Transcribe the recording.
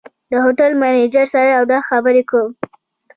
د هوټل منیجر سره یو دوه خبرې کوم.